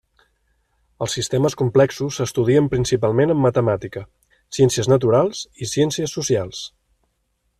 Els sistemes complexos s'estudien principalment en matemàtica, ciències naturals i ciències socials.